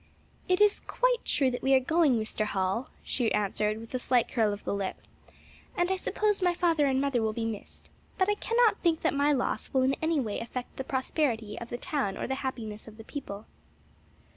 "It is quite true that we are going, Mr. Hall," she answered, with a slight curl of the lip; "and I suppose my father and mother will be missed; but I can not think that my loss will in any way affect the prosperity of the town or the happiness of the people."